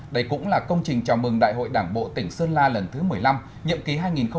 đây cũng là công trình chào mừng đại hội đảng bộ tỉnh sơn la lần thứ một mươi năm nhậm ký hai nghìn hai mươi hai nghìn hai mươi năm